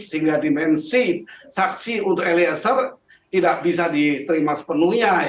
sehingga dimensi saksi untuk eliezer tidak bisa diterima sepenuhnya